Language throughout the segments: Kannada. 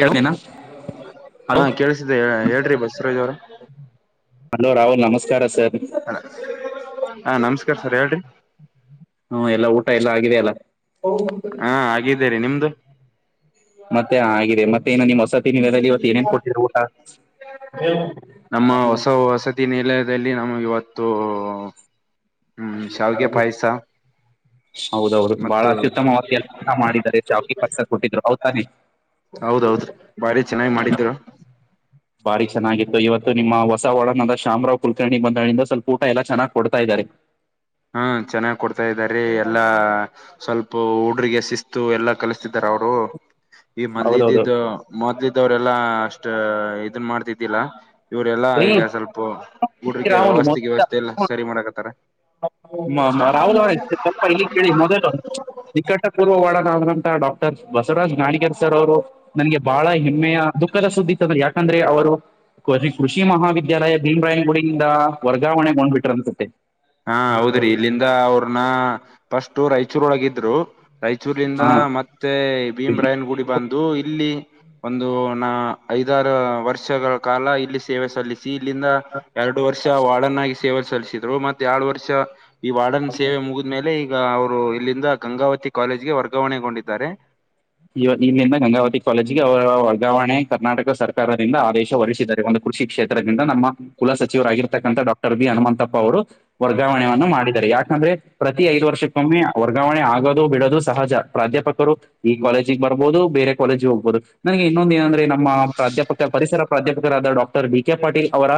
ಹಲೋ ಹಲೋ ಹಾ ಕೇಳಸಿದ್ದ ಹೇಳ್ರಿ ಬಸವರಾಜ್ ಅವರೆ ಹಲೋ ರಾಹುಲ್ ನಮಸ್ಕಾರ ಸರ್ ಹಾ ನಮಸ್ಕಾರ ಸರ್ ಹೇಳಿ ಹ ಎಲ್ಲಾ ಊಟ ಎಲ್ಲಾ ಆಗಿದ ಎಲ್ಲಾ ಹಾ ಆಗಿದ್ದೀರಿ ನಿಮ್ದು ಮತ್ತೆ ಆಗಿದೆ ಮತ್ತೆ ಏನ ನಿಮ್ ಹೊಸ ದಲ್ಲಿ ಇವತ್ತು ಏನೇನ್ ಕೊಟ್ರೂ ಊಟಾ ನಮ್ಮ ಹೊಸ ವಸತಿ ನಿಲಯದಲ್ಲಿ ನಮ್ಗೆ ಇವತ್ತು ಹ್ಮ್ ಶಾವಗೆ ಪಾಯಸ ಹೌದೌದು ಬಹಳ ಮತ್ತು ಅತ್ಯುತ್ತಮವಾಗಿ ಎಲ್ಲಿ ಊಟ ಮಾಡಿದಿದ್ದಾರೆ ಸಾವಿಗೆ ಪಾಯಸಾ ಕೊಟ್ಟಿದ್ರು ಹೌದತಾನೇ ಹೌದೌದು ಬಾರಿ ಚೆನ್ನಾಗಿ ಮಾಡಿದ್ರು ಭಾರಿ ಚೆನ್ನಾಗಿತ್ತು ಇವತ್ತು ನಿಮ್ಮ ಹೊಸವಾಳನ ಶಾಮರಾವ್ ಕುಲಕರ್ಣಿ ಬಂದಳಿಂದ ಸ್ವಲ್ಪ ಊಟಾ ಎಲ್ಲಾ ಚೆನ್ನಾಗಿ ಕೊಡ್ತಾ ಇದ್ದಾರೆ ಹಾ ಚೆನ್ನಾಗಿ ಕೊಡ್ತಾ ಇದ್ದಾರಿ ಎಲ್ಲಾ ಸ್ವಲ್ಪು ಹುಡ್ರಿಗೆ ಶಿಸ್ತು ಎಲ್ಲಾ ಕಲಿಸ್ತಿದಾರ ಅವರು ಈ ಹೌದೌದು ಮೊದಲಿದ್ದಿದ್ದು ಮೊದ್ಲಿದ್ದವರೆೆಲ್ಲಾ ಅಷ್ಟ ಇದನ್ ಮಾಡ್ತಿದ್ದಿಲ್ಲ ಇವ್ರ ಎಲ್ಲಾ ರೀ ಈಗ ಸ್ವಲ್ಪು ಹುಡ್ರಿಗೆ ರಾಹುಲ್ ವ್ಯವಸ್ಥೆ ವ್ಯವಸ್ಥೆಲ್ಲ ಸರಿ ಮಾಡಾಕತ್ತಾರ ಹ ರಾಹುಲ್ ಸ್ವಲ್ಪ ಈ ಕೇಳಿ ಮೊದಲು ನಿಕಟ್ಟಪೂರ್ವ ವಡನಾದಂತ dock sir Basavaraj Nadiger sir ಅವರು ನನ್ಗೆ ಬಾಳ ಹೆಮ್ಮೆಯ ದುಃಖದ ಸುದ್ದಿ ತಂದ ಯಾಕಂದ್ರೆ ಅವರು ಕೃಷಿ ಮಹಾವಿದ್ಯಾಲಯ ಭೀಮರಾಯನ ಗುಡಿಯಿಂದ ವರ್ಗಾವಣೆ ಗೊಂಡ್ ಬೀಟ್ರನ್ಸುತ್ತೆ ಹಾ ಹೌದ್ರಿ ಇಲ್ಲಿಂದ ಅವ್ರನ ಫಸ್ಟ್ ರಾಯಚೂರ ಒಳಗ ಇದ್ರು ರಾಯಚೂರಿಂದ ಹಾ ಮತ್ತೆ ಭೀಮ ರಾಯನ ಗುಡಿ ಬಂದು ಇಲ್ಲಿ ಒಂದು ನಾ ಐದಾರು ವರ್ಷಗಳ ಕಾಲ ಇಲ್ಲಿ ಸೇವೆ ಸಲ್ಲಿಸಿ ಇಲ್ಲಿಂದ ಎರಡು ವರ್ಷ ವಾರ್ಡನ್ ಆಗಿ ಸೇವೆ ಸಲ್ಲಿಸಿದ್ರು ಮತ್ತೆ ಎರಡ್ ವರ್ಷ ಈ ವಾರ್ಡನ್ ಸೇವೆ ಮುಗಿದ- ಮೇಲೆ ಈಗ ಅವರು ಇಲ್ಲಿಂದ ಗಂಗಾವತಿ ಕಾಲೇಜ್ಗೆ ವರ್ಗಾವಣೆಗೊಂಡಿದ್ದಾರೆ. ಇವ ಇಲ್ಲಿಂದ ಗಂಗಾವತಿ ಕಾಲೇಜ್ಗೆ ಅವರ ವರ್ಗಾವಣೆ ಕರ್ನಾಟಕ ಸರ್ಕಾರದಿಂದ ಆದೇಶ ಹೊರಿಸಿದ್ದಾರೆ ಒಂದು ಕೃಷಿ ಕ್ಷೇತ್ರದಿಂದ ನಮ್ಮ ಕುಲ ಸಚಿವರಾಗಿರ್ತಕ್ಕಂಥ ಡಾಕ್ಟರ್ ಬಿ ಹನುಮಂತಪ್ಪ ಅವರು ವರ್ಗಾವಣೆನ್ನು ಮಾಡಿದ್ದಾರೆ ಯಾಕಂದ್ರೆ? ಪ್ರತಿ ಐದ ವರ್ಷಕ್ಕೊಮ್ಮೆ ವರ್ಗಾವಣೆ ಆಗೋದು ಬಿಡೋದು ಸಹಜ ಪ್ರಾಧ್ಯಾಪಕರು ಈ ಕಾಲೇಜಿಗೆ ಬರ್ಬಹುದು ಬೇರೆ ಕಾಲೇಜಿಗೆ ಹೋಗ್ಬಹುದು ನನಗೆ ಇನ್ನೊಂದ ಏನಂದ್ರೆ ನಮ್ಮ ಪ್ರಾಧ್ಯಾಪಕ ಪರಿಸರ ಪ್ರಾಧ್ಯಾಪಕರಾದ ಡಾ. ಬಿ ಕೆ ಪಾಟೀಲ್ ಅವರ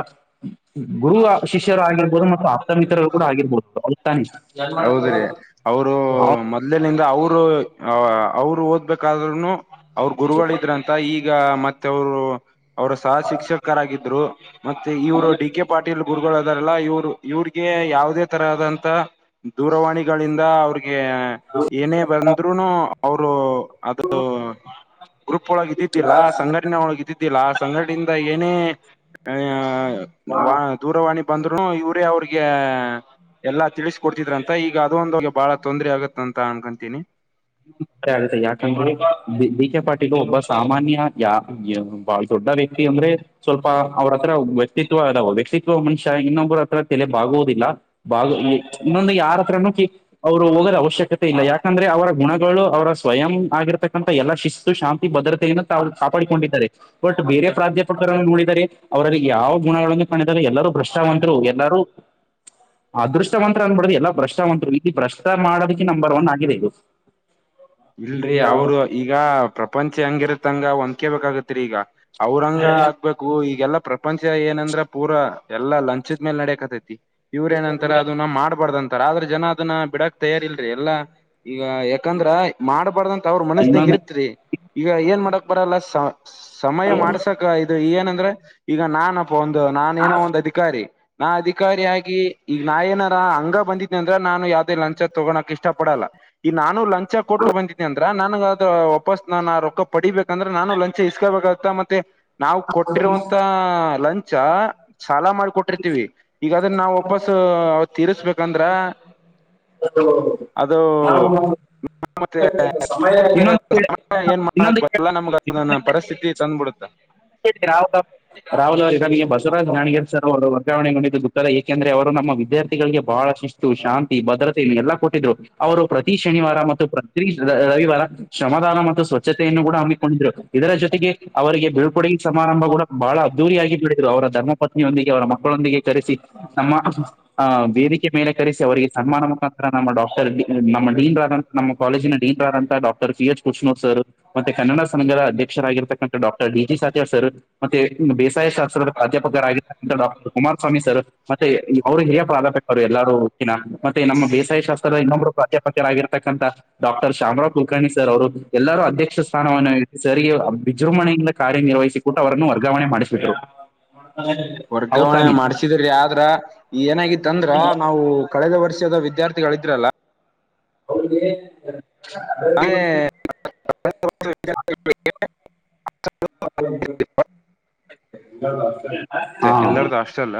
ಗುರು ಶಿಷ್ಯರು ಆಗಿರ್ಬೋದು ಮತ್ತು ಆಪ್ತ ಮಿತ್ರರು ಕೂಡ ಆಗಿರ್ಬೋದು ಅ ತಾನಿ ನ್ ಮಾಡಕ [unintelligible] ಅವರು ಇಲ್ಲಿನಂದ ಅವರು ಅವ್ರು ಓದ್ಬೇಕಾದ್ರುನು ಅವರು ಗುರುಗಳ ಇದ್ರಂತ ಮ ಈಗ ಮತ್ತೆ ಅವರು ಅವರ ಸಹ ಶಿಕ್ಷಕರಾಗಿದ್ರು ಮತ್ತೆ ಇವರು ಡಿ ಕೆ ಪಾಟೀಲ್ ಗುರುಗಳು ಅದಾರಲ್ಲ ಇವ್ರು ಇವ್ರಿಗೆ ಯಾವುದೇ ತರದಂತ ದೂರವಾಣಿಗಳಿಂದ ಅವ್ರಿಗೆ ಏನೇ ಬಂದ್ರುನು ಅವರು ಅದು ಗ್ರೂಪ್ ಒಳಗೆ ಇದ್ದಿದ್ದಿಲ್ಲ ಸಂಘಟ ಗ್ದಿದ್ದಿಲ್ಲ ಆ ಸಂಘಟೆಯಿಂದ ಏನೇ [unintelligible] [unintelligible] ದೂರವಾಣಿ ಬಂದ್ರು ಇವರೇ ಅವ್ರಿಗೆ ಎಲ್ಲಾ ತಿಳಿಸ ಕೊಡ್ತಿದ್ರಂತ ಈಗ ಅದೊಂದು ಬಾಳ ತೊಂದ್ರೆ ಆಗತ್ತ ಅಂತ ಅನ್ಕೊಂತೀನಿ ಆಗುತ್ತೆ ಯಾಕಂದ್ರೆ ಬಿ ಕೆ ಪಾಟೀಲು ಒಬ್ಬ ಸಾಮಾನ್ಯ ಯ [unintelligible] ಬಾಲ [unintelligible] ಡ್ಡಾ ರೀತಿಯ ಅಂದ್ರೆ ಸ್ವಲ್ಪ ಅವ್ರತ್ರ ವ್ಯಕ್ತಿತ್ವ ಅದಾವ ವ್ಯಕ್ತಿತ್ವ ಮನುಷ್ಯ ಇನ್ನೊಬ್ಬರ ಹತ್ರ ತೆಲೆ ಬಾಗುವುದಿಲ್ಲ. ಬಾಗ ಇನ್ನೊಂದ ಯಾರತ್ರನು [unintelligible] ಅವ್ರು ಹೋಗದ ಅವಶ್ಯಕತೆ ಇಲ್ಲ ಯಾಕಂದ್ರೆ ಅವರ ಗುಣಗಳು ಅವರ ಸ್ವಯಂ ಆಗಿರತಕ್ಕಂತ ಎಲ್ಲಾ ಶಿಸ್ತು ಶಾಂತಿ ಭದ್ರ [unintelligible] ಕಾಪಾಡಿಕೊಂಡಿದ್ದಾರೆ ಬಟ್ ಬೇರೆ ಪ್ರಾಧ್ಯಾಪಕರನ್ನು ನೋಡಿದರೆ ಅವರಲ್ಲಿ ಯಾವ ಗುಣಗಳನ್ನು ಕಾಣಿದರೆ ಎಲ್ಲರೂ ಭ್ರಷ್ಟಾವಂತರು ಎಲ್ಲಾರೂ ಅದೃಷ್ಟವಂತರ ಅಂದಬಿಡ್ರಿ ಎಲ್ಲಾ ಭ್ರಷ್ಟಾವಂಂತರು ಇಲ್ಲಿ ಭ್ರಷ್ಟ ಮಾಡೋದಕ್ಕೆ ನಂಬರ್ ಒನ್ ಆಗಿದೆ ಇದು ಇಲ್ರರಿ ಅವರು ಈಗ ಪ್ರಪಂಚ ಹೆಂಗಿರತ್ತಂಗ ಒಂದ್ಕೇಬೇಕಾಗತ್ರಿ ಈಗ ಅವರಂಗ ಆಗ್ಬೇಕು ಈಗೆಲ್ಲಾ ಪ್ರ ಪಂಚ ಏನಂದ್ರ ಪೂರ ಎಲ್ಲಾ ಲಂಚದ ಮೇಲ್ ನಡಕ್ತೈತಿ ಇವ್ರ ಏನಂತಾರೆ ಅದನ್ನ ಮಾಡ್ಬಾರ್ದಂತ ತರ ಆದ್ರ ಜನ ಅದನ್ನ ಬಿಡಕ್ ತಯಾರಿಲ್ರಿ ಎಲ್ಲಾ ಈಗ ಯಾಕಂದ್ರ ಮಾಡ್ಬಾರ್ದಂತ ಅವ್ರ ಮನಸ್ಸನಿಗೆ ಇನ್ನೊಂದು ಇರ್ತ್ರಿ ಈಗ ಏನ್ ಮಾಡಕ್ ಬರಲ್ಲ ಸಮಯ ಮಾಡ್ಸಕ ಇದು ಏನಂದ್ರೆ ಈಗ ನಾನೋಬ ಒಂದು ನಾನ ಏನೋ ಒಂದು ಅಧಿಕಾರಿ ನಾ ಅಧಿಕಾರಿಯಾಗಿ ಈಗ ನಾ ಏನಾರ ಹಂಗ ಬಂದಿದ ಅಂದ್ರ ನಾನು ಯಾವವುದೇ ಲಂಚ ತೊಗೋಳಕ್ ಇಷ್ಟ ಪಡಲ್ಲ ಈ ನಾನು ಲಂಚ ಕೊಟ್ಟು ಬಂದಿದ್ದನಿ ಅಂದ್ರ ನಾನು ನ ವಾಪಾಸ್ ನಾ ಆ ರೊಕ್ಕ ಪಡಿಬೇಕಂದ್ರೆ ನಾನು ಲಂಚ ಇಸ್ಕೊಬೇಕತ್ತ ಮತ್ತೆ ನಾವು ಕೊಟ್ಟಿರುವಂತ ಲಂಚ ಸಾಲ ಮಾಡಿಕೊಟ್ಟ [unintelligible] ರ್ತಿವಿ ಈಗ ಅದನ್ನ ನಾವು ವಾಪಸ್ ಅವ ತೀರ್ರಿಸಬೇಕಂದ್ರ [unintelligible] [unintelligible] ನಾವು ಮತ್ತೆ ಇನ್ನೊಂದು ಕೇಳಿ- ಏನ್ ಇನ್ನೊಂದು ಕೇಳಿ- ಮಾಡಕ್ಲ್ಲಾ ನಮ್ಗ ಅದನ್ನ ಪರಿಸ್ಥಿತಿ ತಂದ್ಬಿಡುತ್ತ [unintelligible] ರು ರಹುಲ್ ಅವ ಬ [unintelligible] [unintelligible] ಶಿವರಾಜ್ಣಿಗರ್ ಸರ್ ಅವರು ವರ್ಗಾವಣೆಗೊಂಡಿದ್ದ ಗೊತ್ತ ಏಕೆಂದ್ರೆ ಅವರು ನಮ್ಮ ವಿದ್ಯಾರ್ಥಗಳಿಗೆ ಬಹಳ ಶಿಷ್ಟ ಶಾಂತಿ ಭದ್ರತೆ ಎಲ್ಲಾ ಕೊಟ್ಟಿದ್ರು ಅವರು ಪ್ರತಿ ಶನಿವಾರ ಮತ್ತು ಪ್ರತಿ ರವಿವಾರ ಶ್ರಮದಾನ ಮತ್ತು ಸ್ವಚ್ಛತೆಯನ್ನು ಕೂಡ ಅವ್ರಿಗೆ ಕೊಟ್ಟಿದ್ರು ಹಮ್ಮಿಕೊಂಡಿದರುರು ಇದರ ಜೊತೆಗೆ ಅವರಿಗೆ ಬಿ ಕೊಡು ಈ ಸಮಾರಂಭ ಸಮಾಧಾನ ಕೂಡ ಬಹಳ ಅದ್ದೂರಿಯಾಗಿ ಬಳಿದ್ರು ಅವರ ಧರ್ಮಪತ್ನಿಯೊಂದಿಗೆ ಅವರ ಮಕ್ಕಳೊಂದಿಗೆ ಕರೆಸಿ ನಮ್ಮ ಆ ಬೇದಿಕೆ ಮೇಲೆ ಕರೆಸಿ ಅವರಿಗೆ ಸನ್ಮಾನ ಮುಖಾಂತರ ನಮ್ಮ ಡಾಕ್ಟರ್ ನಮ್ಮ ಡಿ ನ್ ರಾದಂತಾ ನಮ್ಮ ಕಾಲೇಜಿನ ಡೀನ್ ರಾದಂತಾ ಡಾಕ್ಟ ಕುಖಷನೋ ಸರ್ ಮತ್ತೆ ಕನ್ನಡ ಸಂಘದ ಅಧ್ಯಕ್ಷರಾಗಿರತಕ್ಕಂಥ ಡಾಕ್ಟರ್ ಡಿ [unintelligible] ಸರ್ ಮತ್ತೆ ಬೇಸಾಯ ಶಾಸ್ತ್ರ ಪ್ರಾಧ್ಯಾಪಕರಾಗಿ ಡಾಕ್ಟರ್ ಕುಮಾರಸ್ವಾಮಿ ಸರ್ ಮತ್ತೆ ಅವ್ರು ಹಿರಿಯ ಪ್ರಾಧ್ಯಾಪಕರು ಅವ್ರು ಎಲ್ಲಾರೂಕ್ಕಿನ ಮತ್ತೆ ನಮ್ಮ ಬೇಸಾಯಿ ಶಾಸ್ತ್ರದ ಇನ್ನೊಬ್ರು ಪ್ರಧ್ಯಾಪಕರಾಗಿರ ತಕ್ಕಂತಾ ಡಾಕ್ಟರ್ ಶಾಮ್ಯ್ ರಾವ್ ಕುಲಕರ್ಣಿ ಅವರು ಎಲ್ಲರೂ ಅಧ್ಯಕ್ಷ ಸ್ಥಾನವನ್ನು ಇ ಸರ್ ಈ ವಿಜೃಂಭಣೆಯಿಂದ ಕಾರ್ಯನಿರ್ವಹಿಸಿಕೊಟ್ಟು ಅವರನ್ನು ವರ್ಗಾವಣೆ ಮಾಡಿಸಿಬಿಟ್ಟರು [unintelligible] ವರ್ಗಾವಣೆ ಮಾಡ್ಸಿದ್ರಿ ಆದ್ರ ಏನಾಗಿತ್ತ ಅಂದ್ರ ನಾವು ಕಳೆದ ವರ್ಷದ ವಿದ್ಯಾರ್ಥಿಗಳಿದ್ರಲ್ಲಾ [unintelligible] [unintelligible] [unintelligible] ಮತ್ತೆ ಎಲ್ಲಾರ್ದು ಹಾಸ್ಟೆಲ್ಲ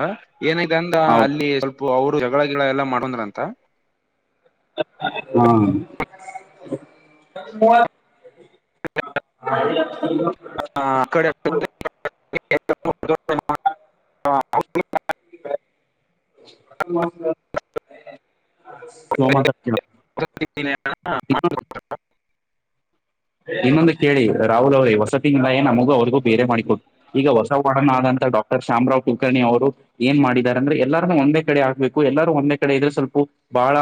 ಏನಾಗಿದೆ ಅಂದ್ರ ಹೌದು ಅಲ್ಲಿ ಸ್ವಲ್ಪ ಅವರು ಜಗಳ ಗಿಗಳ ಎಲ್ಲಾ ಮಾಡ್ಕಂದ್ರ ಅಂತ ಹಾ [unintelligible] [unintelligible] [unintelligible] ಹ ಅ ಕಡೆ [unintelligible] [unintelligible] ಸೋಮ [unintelligible] [unintelligible] ಇನ್ನೊಂದು ಕೇಳಿ ರಾಹುಲ್ ಅವ್ರೇ ವಸತಿ ನಿಲಯ ನಮ್ಮಗು ಅವ್ರಿಗೂ ಬೇರೆ ಮಾಡಿಕೊಟ್ಟು ಈಗ ಹೊಸವಾಡನ ಆದಂತ ಡಾಕ್ಟರ್ ಶ್ಯಾಮರಾವ್ ಕುಲಕರ್ಣಿ ಅವರು ಏನ್ ಮಾಡಿದ್ದಾರೆ ಅಂದ್ರೆ ಎಲ್ಲಾರನ್ನೂ ಒಂದೇ ಕಡೆ ಆಗ್ಬೇಕು ಎಲ್ಲಾರೂ ಒಂದೇ ಕಡೆ ಇದ್ರೆ ಸ್ವಲ್ಪು ಬಾಳ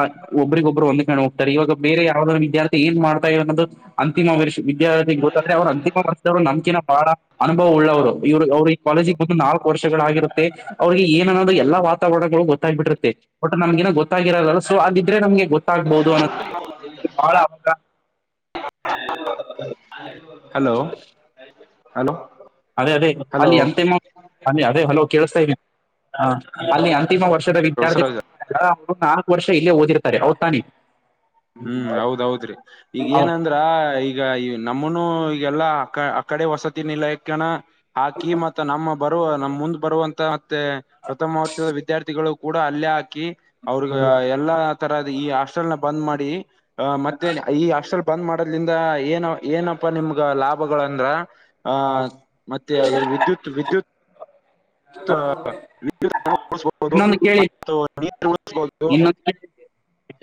ಒಬ್ರಗೊಬ್ರು ಹೋಂದಕಣ ಹೋಗ್ತಾರೆ ಇವಾಗ ಬೇರೆ ಯಾವುದ್ ವಿದ್ಯಾರ್ಥಿ ಏ ಮಾಡ್ತಾ ಇದ್ದಾನ ಅನ್ನೋದು ಅಂತಿಮ ವರ್ಷ ವಿದ್ಯಾರ್ಥಿ ಗೊತ್ತಾದ್ರೆ ಅವ್ರ ಅಂತಿಮ ವರ್ಷ ರು ನಮಕಿನ ಬಾಳ ಅನುಭವ ಉಳ್ಳವರು ಇವ್ರು ಅವ್ರ ಈ ಕಾಲೇಜಿಗೆ ಬಂದು ನಾಲ್ಕು ವರ್ಷಗಳಾಗಿರುತ್ತೆ ಅವ್ರಿಗೆ ಏನನ್ನೋದು ಎಲ್ಲಾ ವಾತಾವರಣಗಳು ಗೊತ್ತ್ಬ ಬಿಟ್ಟಿರತ್ತೆ ಬಟ್ ನಮಗೆಏನ ಗೊತ್ತಾಗಿರೋದಲ್ಲ ಸೊ ಅದಿದ್ರೆ ನಮಗೆ ಗೊ ಆಗಬಹುದು ಅನ್ನೋದ ಬಹಳ ಅವಕಾಶ [inaudible] ಹಲೋ ಹಲೋ ಅದೇ ಅದೇ ಹಲೋ ಅಲ್ಲಿ ಅಂತೆಮ ಅ ಅದೇ ಹಲೋ [unintelligible] ಕೇಳಸ್ತಾ ಇದಿ ಹ ಅಲ್ಲಿ ಅಂತಿಮ ವರ್ಷದ ಬಸವರಾಜ ವಿದ್ಯಾರ್ಥಿಲ್ಲ ಅವರು ನಾಲ್ಕು ವರ್ಷ ಇಲ್ಲೇ ಓದಿರ್ತಾರೆ ಹೌದ ತಾನೆ ಹುಂ ಹೌದೌದ್ರಿ ಈಗ ಏನಂದ್ರ ಈಗ ಈ ನಮ್ಮನು ಈಗೆಲ್ಲಾ ಆ ಆ ಕಡೆ ವಸತಿ ನಿಲಯ ಯಕನ್ ಹಾಕಿ ಮತ್ತ ನಮ್ಮ ಬರುವ ನಮ್ ಮುಂದ್ ಬರುವಂತ ಮತ್ತೆ ಪ್ರಥಮ ವರ್ಷದ ವಿದ್ಯಾರ್ಥಿಗಳು ಕೂಡ ಅಲ್ಲೇ ಹಾಕಿ ಅವ್ರಗ ಎಲ್ಲಾ ತರದ ಈ ಹಾಸ್ಟೆಲ್ ನ ಬಂದ್ ಮಾಡಿ ಅ ಮತ್ತೆ ಈ ಹಾಸ್ಟೆಲ್ ಬಂದ್ ಮಾಡದಲಿಂದ ಏನ ಏನಪ್ಪಾ ನಿಮ್ಗ ಲಾಭಗಳಂದ್ರ ಆ ಮತ್ತೆ ಇದು ವಿದ್ಯುತ್ ವಿದ್ಯುತ್ [unintelligible] ಇನ್ನೊಂದು ಕೇಳಿ [unintelligible]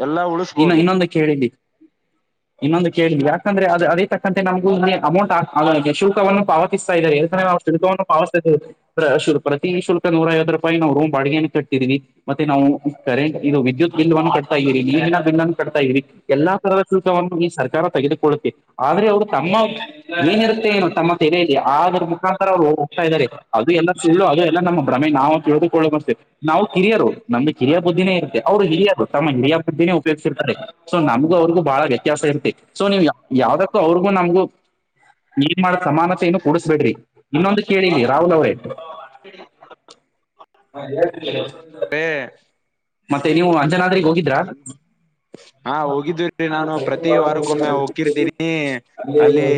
ಎಲ್ಲಾ ಉಳಸ ಈಗ ಇನ್ನು ಇನ್ನೊಂದು ಕೇಳ ಇಲ್ಲಿ [unintelligible] ಇನ್ನೊಂದು ಕೇಳ ಇಲ್ಲಿ ಯಾಕಂದ್ರೆ ಅದು ಅದೇ ತಕ್ಕಂತೆ ನಮಗೂ ಅಮೌಂಟ್ ಶುಲ್ಕವನ್ನು ಪಾವತಿಸ್ತಾ ಇದ್ದಾರೆ ಶುಲ್ಕವನ್ನು [unintelligible] ಪ್ರ ಶು ಪ್ರತಿ ಶುಲ್ಕ ನೂರೈವತ್ ರೂಪಾಯಿ ನಾವು ರೂಮ್ ಬಾಡ್ಗೆನೆ ಕಟ್ತಿದೀವಿ ಮತ್ತೆ ನಾವು ಕರೆಂಟ್ ಇದು ವಿದ್ಯುತ್ ಬಿಲ್ ಒಂದ್ ಕಡ್ತಾ ಇದೀರಿ ನೀವೇನಾರು ಬಿಲ್ಲನ್ ಕಟ್ತಾ ಇದಿರಿ. ಎಲ್ಲಾ ತರದ ಶುಲ್ಕವನ್ನು ಈ ಸರ್ಕಾರ ತೆಗೆದುಕೊಳ್ಳುತ್ತೆ ಆದ್ರೆ ಅವರು ತಮ್ಮ ಏನಿರುತ್ತೆ ಏನೊ ತಮ್ಮ ತೆರೆಲೀ ಆದರ್ ಮುಖಾಂತರ ಅವ್ರ್ ಓ ತಾಯಿದ್ದಾರೆ ಅದು ಎಲ್ಲ [unintelligible] ಅದು ಎಲ್ಲಾ ನಮ್ಮ ಭ್ರಮೆ ನಾವು ತಿಳಿದುಕೊಳ್ಲೋದ್ ಒಂದ್ ಸೇಫ್ ನಾವು ಕಿರಿಯರು ನಮುಗ್ ಕಿರಿಯ ಬುದ್ಧಿನೇ ಇತ್ತೆ ಅವರು ಹಿರಿಯರು ತಮ್ಮ ಹಿರಿಯ ಬುದ್ಧಿನೇ ಉ ಉಪಯೋಗ್ಸಿರ್ತಾರೆ ಸೊ ನಮ್ಗೂ ಅವ್ರ್ ಗೂ ಭಾಳ ವ್ಯತ್ಯಾಸ ಇರುತ್ತೆ ಸೊ ನೀವ್ ಯ ಯಾವ್ದಕ್ಕೂ ಅವ್ರ್ ಗೂ ನಮಗೂ ನೀನ್ ಮಾಡ ಸಮಾನತೆಯನ್ನು ಕೊಡಿಸಬೇಡ್ರಿ ಇನ್ನೊಂದು ಕೇಳಿ ಇಲ್ಲಿ ರಾಹುಲ್ ಅವರೇ [unintelligible] ಮತ್ತೆ ನೀವು ಅಂಜನಾದ್ರಿಗ್ ಹೋಗಿದ್ರಾ? ಹಾಂ ಹೋಗಿದ್ವಿ ರೀ ನಾನು ಪ್ರತಿ ವಾರಕ್ಕೊಮ್ಮೆ ಹೋಗ್ ತಿರ್ತೀನಿ ಅಲ್ಲಿ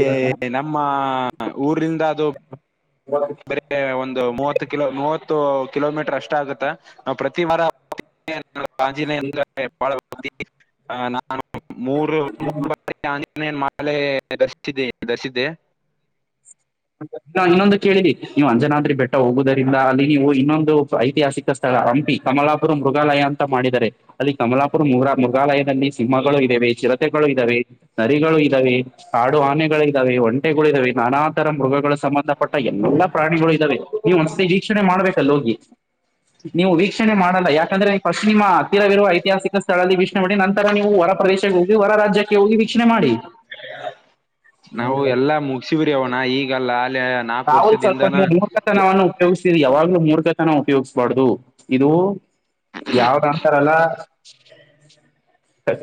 ನಮ್ಮ ಊರಿಂದ ಅದು ಬರೆ ಒಂದು ಮೂವತ್ತು ಕಿಲೋ ಮೂವತ್ತು ಕಿಲೋಮೀಟರ್ ಅಷ್ಟ ಆಗುತ್ತ ನಾವ್ ಪ್ರತಿ ವಾರ [unintelligible] [unintelligible] ಮೂರು ಮೂರು [unintelligible] ಆಂಜನೇನ್ ಮಾಲೆ ದರ್ಸಿದ್ದೆ ನಾ ಇನ್ನೊಂದು ಕೇಳಿ ನೀವು ಅಂಜನಾದ್ರಿ ಬೆಟ್ಟ ಹೋಗುವುದರಿಂದ ಅಲ್ಲಿ ನೀವು ಇನ್ನೊಂದು ಐತಿಹಾಸಿಕ ಸ ಸ್ಥಳ ಹಂಪಿ ಕಮಲಾಪುರ ಮೃಗಾಲಯ ಅಂತ ಮಾಡಿದ್ದಾರೆ. ಅಲ್ಲಿ ಕಮಲಾಪುರ ಮು ಮೃಗಾಲಯದಲ್ಲಿ ಸಿಂಹಗಳು ಇದ್ದಾವೆ ಚಿರತೆಗಳು ಇದ್ದಾವೆ ನರಿಗಳು ಇದವೆ ಕಾಡು ಆನೆಗಳು ಇದ್ದಾವೆ ಒಂಟೆಗಳು ಇದಾವೆ ನಾನಾ ತರ ಮೃಗಗಳು ಸಮ ಬಂಧ ಪಟ್ಟ ಎಲ್ಲಾ ಪ್ರಾಣಿಗಳು ಇದಾವೆ ನೀವ್ ಒಂದ್ಸತಿ ವೀಕ್ಷಣೆ ಮಾಡ್ಬೇಕಲ್ ಹೋಗಿ. ನೀವು ವೀಕ್ಷಣೆ ಮಾಡಲ್ಲ ಯಾಕಂದ್ರೆ ಈ ಪಶ್ಚಿಮ ಹತ್ತಿರವಿರುವ ಐತಿಹಾಸಿಕ ಸ್ಥಳ ನೀವಿಷ್ ಮಾಡಿ ನಂತರ ನೀವು ಹೊರ ಪ್ರದೇಶಕ್ಕೆ ಹೋಗಿ ಹೊರ ರಾಜ್ಯಕ್ಕೆ ಹೋಗಿ ವೀಕ್ಷಣೆ ಮಾಡಿ. ನಾವು ಎಲ್ಲಾ ಮುಗಸಿವ್ರಿ ಅವಣ ಈಗಲ್ಲ ಆಲೆ ತಾವು ಸ್ವಲ್ಪ ನೀವು ಮೂರ್ಖತನವನ್ನು ಉಪಯೋಗ್ಸ್ತೀರಿ ಯಾವಾಗ್ಲೂ ಮೂರ್ಖತನ ಉಪಯೋಗಿಸಬಾರ್ದು ಇದು ಯಾವ್ದಂತಾರಲ್ಲ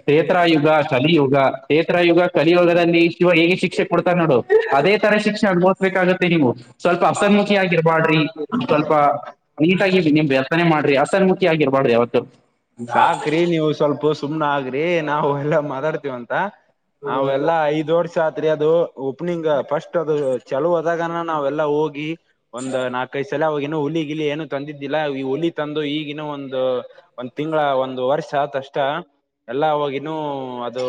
ತೇತ್ರಾಯುಗ ಕಲಿಯುಗ ತೇತ್ರಾಯುಗ ಕಲಿಯುಗದಲ್ಲಿ ಶಿವ ಹೇಗೆ ಶಿಕ್ಷೆ ಕೊಡ್ತಾನ್ ನೋಡು ಅದೇ ತರ ಶಿಕ್ಷೆ ಅನುಭವಸ್ಬೇಕಾಗತ್ತೆ ನೀವು ಸ್ವಲ್ಪ ಹಸನ್ಮುಖಿಯಾಗಿರ್ಬಾಡ್ರಿ. ಸ್ವಲ್ಪ ನೀಟಾಗಿ ನಿಮ್ ವ್ಯಸನೆ ಮಾಡ್ರಿ ಹಸನ್ಮುಖಿ ಆಗಿರ್ಬಾದ್ ಯಾವತ್ತು. ಸಾಕ್ರಿ ನೀವು ಸ್ವಲ್ಪ ಸುಮ್ನೆ ಆಗ್ರಿ ನಾವು ಎಲ್ಲಾ ಮಾತಾಡ್ತಿವಂತ. ನಾವು ಎಲ್ಲಾ ಐದ್ ವರ್ಷ ಆತ್ರಿ ಅದು ಓಪನಿಂಗ ಫಸ್ಟ್ ಅದು ಚಾಲು ಆದಾಗನ ನಾವೆಲ್ಲಾ ಹೋಗಿ ಒಂದ ನಾಕ್ ಕೈಸಲ ಹೋಗಿನ್ನೂ ಹುಲಿಗಿಲಿ ಏನು ತಂದಿದ್ದಿಲ್ಲ ಈ ಹುಲಿ ತಂದು ಈಗಿನ್ನೂ ಒಂದು ಒಂದ್ ತಿಂಗಳ ಒಂದು ವರ್ಷ ಆತಷ್ಟ ಎಲ್ಲ ಅವಾಗಿನ್ನೂ ಅದು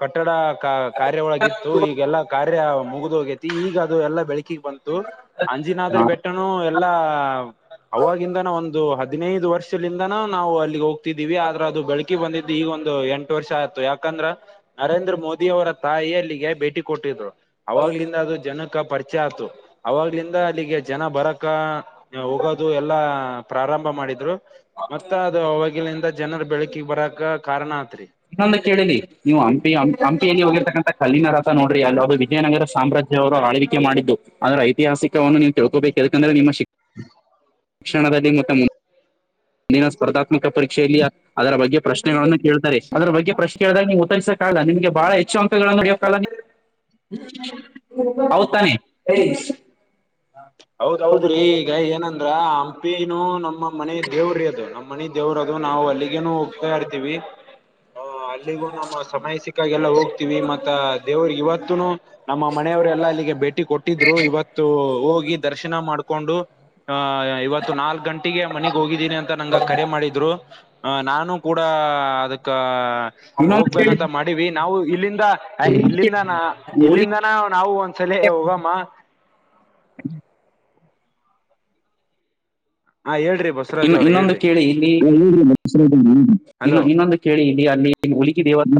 ಕಟ್ಟಡ ಕ ಕಾರ್ಯ ಒಳಗಿತ್ತು ಈಗೆಲ್ಲಾ ಕಾರ್ ಯ ಮುಗಿದ್ ಹೋಗೈತಿ ಈಗ ಅದು ಎಲ್ಲ ಬೆಳಕಿಗ್ ಬಂತು ಅಂಜನಾದ್ರಿ ಹ ಬೆಟ್ಟನು ಎಲ್ಲಾ ಅವಾಗಿಂದಾನು ಒಂದು ಹದಿನೈದ್ ವರ್ಷದಿಂದಾನ ನಾವು ಅಲ್ಲಿ ಹೋಗ್ ತಿದ್ದೀವಿ ಆದ್ರ ಅದು ಬೆಳಕಿಗ್ ಬಂದಿದ್ದು ಈಗೊಂದು ಎಂಟ್ ವರ್ಷ ಆತು ಯಾಕಂದ್ರ ನರೇಂದ್ರ ಮೋದಿ ಅವರ ತಾಯಿ ಅಲ್ಲಿಗೆ ಭೇಟಿ ಕೊಟ್ಟಿದ್ರು. ಅವಾಗ್ಲಿಂದ ಅದು ಜನುಕ್ಕ ಪರಿಚಯ ಆತು ಅವಾಗ್ಲಿಂದ ಅಲ್ಲಿಗೆ ಜನ ಬರಕ ಹೋಗದು ಎಲ್ಲಾ ಪ್ರಾರಂಭ ಮಾಡಿದ್ರು ಮತ್ತ ಅದು ಅವಾಗಲಿಂದ ಜನರ್ ಬೆಳಕಿಗ್ ಬರಕ ಕಾರಣ ಆತ್ರಿ. ಇನ್ನೊಂದು ಕೇಳಿಲ್ಲಿ ನೀವು ಹಂಪಿ ಹಂ ಹಂಪಿಯಲ್ಲಿ ಹೋಗಿರ್ತಕ್ಕಂತ ಕಲ್ಲಿನ ರಥ ನೋಡ್ರಿ ಅಲ್ಲಿರು ವಿಜಯನಗರ ಸಾಮ್ರಾಜ್ ಅವರು ಆಳ್ವಿಕೆ ಮಾಡಿದ್ದು. ಅಂದ್ರ ಐತಿಹಾಸಿಕವನ್ನು ನೀವು ತಿಳ್ಕೋಬೇಕು ಯಾಕಂದ್ರ ನಿಮ್ಮ ಶಕ್ [inaudible] ಶಿಕ್ಷಣದಲ್ಲಿ ಮತ್ತೆ ಮು ಅಲ್ಲಿನ ಸ್ಪರ್ಧಾತ್ಮಕ ಪರೀಕ್ಷೆಯಲ್ಲಿ ಅದರ ಬಗ್ಗೆ ಪ್ರಶ್ನೆಗಳನ್ನು ಕೇಳ್ತಾರೆ. ಅದ್ರ ಬಗ್ಗೆ ಪ್ರಶ್ನೆ ಕೇಳಿದಾಗ ನೀವು ಉತ್ತರಿಸಕ್ಕಲ್ಲ ನಿಮ್ಗೆ ಬಹಳ ಹೆಚ್ಚು ಅಂಕಗಳನ್ನು ಪಡಿಯೋಕ್ಕ್ ಹೌದತಾನೆ ಹೌದೌದ್ರಿ ಈಗ ಏನಂದ್ರೆ ತಿನು ನಮ್ಮ ಮನೆ ದೇವ್ರ ಅದು ನಮ್ಮ ಮನೆ ದೇವ್ರ ಅದು ನಾವು ಅಲ್ಲಿಗೇನು ಹೋಗ್ತಾ ಇರ್ತೀವಿ. ಆ ಅಲ್ಲಿಗೂ ನಮ್ಮ ಸಮಯ ಸಿಕ್ಕಾಗೆಲ್ಲ ಹೋಗ್ತೀವಿ ಮತ್ತೆ ದೇವ್ರಿಗೆ ಇವತ್ತುನು ನಮ್ಮ ಮನೆಯವರೆಲ್ಲಾ ಅಲ್ಲಿಗೆ ಭೇಟಿ ಕೊಟ್ಟಿದ್ರು ಇವತ್ತು ಹೋಗಿ ದರ್ಶನ ಮಾಡ್ಕೊಂಡು ಹ ಇವತ್ತು ನಾಲ್ಕ್ ಗಂಟೆಗೆ ಮನೆಗ್ ಹೋಗಿದ್ದೀನಿ ಅಂತ್ ನಂಗ ಕರೆ ಮಾಡಿದ್ರು ನಾನು ಕೂಡ ಅದಕ್ಕ ಇನ್ನೊಂದು ಹೋಗ್ಬೇಕಂತ ಮಾಡ್ ಮಾಡವಿ ನಾವು ಇಲ್ಲಿಂದ ಅ ಇಲ್ಲಿಂದಾನ ಕೇಳಿ ಇಲ್ಲಿಂದನ ನಾವು ಒಂದ್ಸಲ ಹೋಗಮ್ಮ ಹಾ ಹೇಳ್ರಿ ಬಾಸ್ ಇನ್ನು ಇನ್ನೊಂದು ಕೇಳಿ ಇಲ್ಲಿ ಇ ಹಲೋ ಇನ್ನೊಂದು ಕೇಳಿ ಇಲ್ಲಿ ಅಲ್ಲಿ ಹುಲಗಿ ದೇವಸ್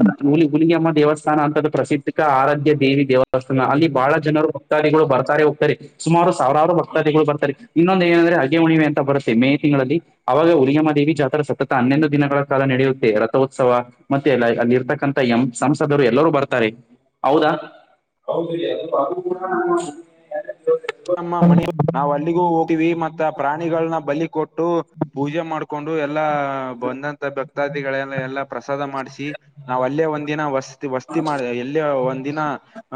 ಹುಲಗಿ ಅಮ್ಮ ದೇವಸ್ಥಾನ ಅಂತದ ಪ್ರಸಿದ್ಧ ಆರಾಧ್ಯ ದೇವಿ ದೇವ್ ಬ ಅಲ್ಲಿ ಬಹಳ ಜನರು ಭಕ್ತಾದಿಗಳು ಬರ್ತಾರೆ ಹೋಗ್ತಾರೆ. ಸುಮಾರು ಸಾವಿರಾರು ಭಕ್ತಾದಿಗಳು ಬರ್ತಾರೆ ಇನ್ನೊಂದ ಏನಂದ್ರೆ ಅಗೆಮಣಿವೆ ಅಂತ ಬರುತ್ತೆ ಮೇ ತಿಂಗಳಲ್ಲಿ ಅವಾಗ ಉಲಿಯಮ್ಮ ದೇವಿ ಜಾತ್ರೆ ಸತತ ಹನ್ನೊಂದು ದಿನಗಳ ಕಾಲ ನಡೆಯುತ್ತೆ ರಥೋತ್ಸವ ಮತ್ತೆ ಎಲ್ಲ ಅಲ್ಲಿ ಇರ್ತಕ್ಕಂತ ಎಮ್ ಸಂಸದರು ಎಲ್ಲರೂ ಬರ್ತಾರೆ ಹೌದಾ. ಹೌದ ರೀ ಅದು ಕಡ [inaudible] ನಮ್ಮ ಮನೆಯ್ ನಯವು ಅಲ್ಲಿಗೂ ಹೋಗವಿ ಮತ್ತ ಪ್ರಾಣಿಗಳನ್ನ ಬಲಿ ಕೊಟ್ಟು ಪೂಜೆ ಮಾಡ್ ಕೊಂಡು ಎಲ್ಲಾ ಬಂದಂತ ಭಕ್ತಾದಿಗಳೆಲ್ಲ ಎಲ್ಲಾ ಪ್ರಸಾದ ಮಾಡ್ಸಿ ನಾವ್ ಅಲ್ಲೇ ಒಂದಿನ ಹೊಸ್ ವಸತಿ ಮಾಡ ಎಲ್ಲೇ ಒಂದು ದಿನ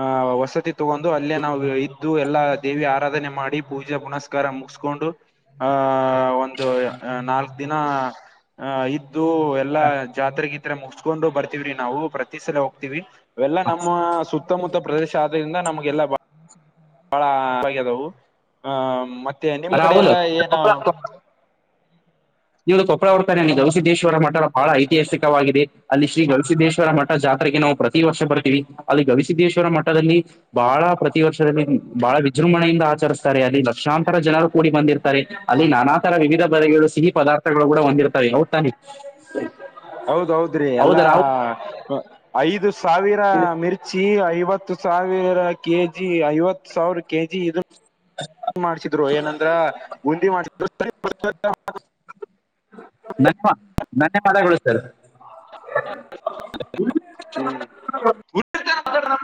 ಅಹ ವಸತಿ ತಗೊಂಡು ಅಲ್ಲೇ ನಾವು ಇದ್ದು ಎಲ್ಲಾ ದೇವಿ ಆರಾಧನೆ ಮಾಡಿ ಪೂಜೆ ಪುನಸ್ಕಾರ ಮುಗಿಸಕೊಂಡು ಆಹ ಒಂದು ನಾಲ್ಕ್ ದಿನ ಹ ಇದ್ದು ಎಲ್ಲಾ ಜಾತ್ರೆಗಿತ್ರೆ ಮುಗಿಸ್ ಕೊಂಡು ಬರ್ತವ್ರಿ ನಾವು ಪ್ರತಿ ಸಲ ಹೋಗ್ತಿವಿ ಇವೆಲ್ಲಾ ನಮ್ಮ ಸು ತ್ತಮುತ್ತ ಪ್ರದೇಶ ಅದರಿಂದ ನಮಗೆಲ್ಲಾ ಬಹಳ ಆದವು ಆ ಮತ್ತೆ ನಿಮ್ ಕಡೆ ರಾಹುಲ್ ಎಲ್ಲಾ ಏನು ಇವದು ಕೊಪ್ಪಳ ಅವರುತ್ತಾನೆ ಅಲ್ಲಿ ಗವಿಸಿದೇಶ್ವರ ಮಠ ಬಹಳ ಐತಿಹಾಸಿಕವಾಗಿದೆ ಅಲ್ಲಿ ಶ್ರೀ ಗವಿಸಿದೇಶ್ವರ ಮಠ ಜಾತ್ಗೆ ನಾವು ಪ್ರ ತಿ ವರ್ಷ ಬರ್ತೀವಿ ಅಲ್ಲಿ ಗವಿಸಿದ್ದೇಶ್ವರ ಮಠದಲ್ಲಿ ಬಹಳ ಪ್ರತಿ ವರ್ಷದಲ್ಲಿ ಬಹಳ ವಿಜೃಂಭಣೆಯಿಂದ ಆಚರಿಸ್ತಾರೆ ಅಲ್ಲಿ ಲಕ್ಷಾಂತರ ಜನರು ಕೂಡಿ ಬಂದಿರ್ ತ್ತಾರೆ ಅಲ್ಲಿ ನಾನಾ ತರ ವಿವಿಧ ಬದೆಗಳು ಸಿಹಿ ಪದಾರ್ಥಗಳು ಕೂಡ ಹೊಂದಿರ್ತವೆ ಹೌದು ತಾನೆ ಹೌದೌದ್ರಿ ಹೌದು ಎಲ್ಲಾ ರಾಹುಲ್ ಐದು ಸಾವಿರ ಮಿರ್ ಚಿ ಐವತ್ತು ಸಾವಿರ ಕೆಜಿ ಐವತ್ತು ಸಾವಿರ ಕೆಜಿ ಇದ್ ದು ಮಾಡ್ಸಿದ್ರು ಏನಂದ್ರ ಉಂಡಿ ಮಾಡ್ಸಿದ್ರು [unintelligible] ನನ್ ನನ್ನ ಮಾಡಗಳು ಸರ್ [unintelligible] ಹ [unintelligible]